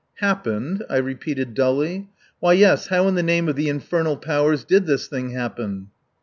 "Happened?" I repeated dully. "Why, yes, how in the name of the infernal powers did this thing happen?"